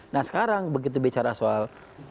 nah sekarang begitu bicara soal